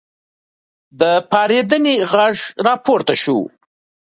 د پارېدنې غږ راپورته شو.